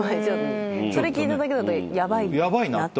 それ聞いただけだとヤバいなって。